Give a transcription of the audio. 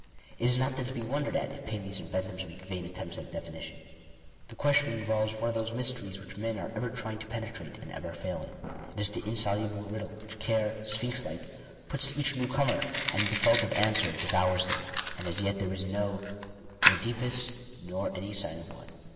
It is not then to be wondered at, if Paleys and Benthams make vain attempts at a definition. The question involves one of those mysteries which men are ever trying to penetrate and ever failing. It is the insoluble riddle which Care, Sphinx like, Digitized by VjOOQIC 6 INTBODUCTION. puts to each new comer, and in default of answer devours him. And as yet there is no (Edipus, nor any sign of one.